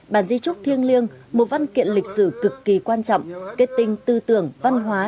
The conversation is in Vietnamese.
bản di trúc thiêng liêng một văn kiện lịch sử cực kỳ quan trọng kết tinh tư tưởng văn hóa